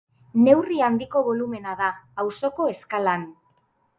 Neurri handiko bolumena da, auzoko eskalan.